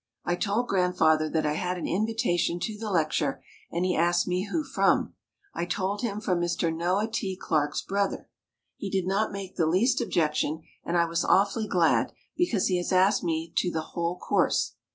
I told Grandfather that I had an invitation to the lecture and he asked me who from. I told him from Mr. Noah T. Clarke's brother. He did not make the least objection and I was awfully glad, because he has asked me to the whole course.